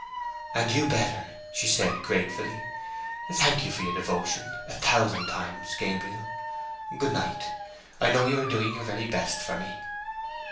"And you better!" she said, gratefully. "Thank you for your devotion, a thousand times, Gabriel! Goodnight—I know you are doing your very best for me."